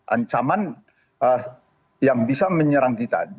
ancaman yang bisa menyerang kita